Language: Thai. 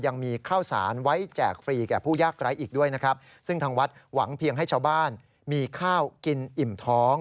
ยังมีข้าวสารไว้แจกฟรีกับผู้ยากไร้อีกด้วยนะครับ